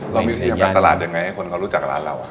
เรามีทีมการตลาดยังไงให้คนเขารู้จักร้านเรา